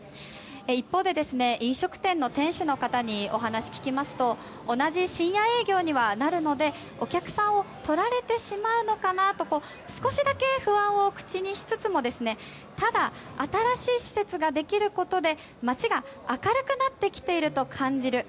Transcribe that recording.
一方で、飲食店の店主の方にお話を聞きますと同じ深夜営業にはなるのでお客さんをとられてしまうのかなと少しだけ不安を口にしつつもただ、新しい施設ができることで街が明るくなってきてると感じる。